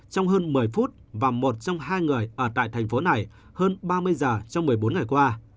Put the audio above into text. trong hơn một mươi phút và một trong hai người ở tại thành phố này hơn ba mươi giờ trong một mươi bốn ngày qua